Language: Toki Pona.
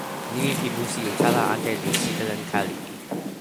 nimi pi musi utala ante li "sitelen Kalipi".